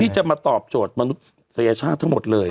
จะมาตอบโจทย์มนุษยชาติทั้งหมดเลย